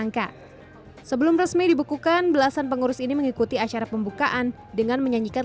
angka sebelum resmi dibukukan belasan pengurus ini mengikuti acara pembukaan dengan menyanyikan